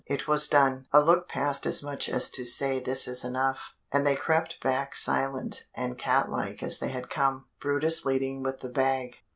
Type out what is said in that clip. It was done; a look passed as much as to say this is enough, and they crept back silent and cat like as they had come, brutus leading with the bag.